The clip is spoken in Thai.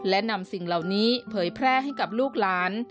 และนำสิ่งเหล่านี้เผยแพร่ให้กับลูกหลาน